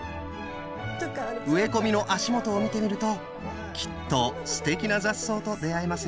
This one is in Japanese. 植え込みの足元を見てみるときっとすてきな雑草と出会えますよ。